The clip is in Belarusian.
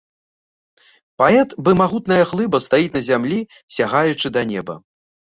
Паэт бы магутная глыба стаіць на зямлі, сягаючы да неба.